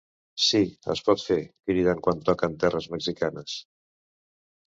Sí, es pot fer, criden quan toquen terres mexicanes.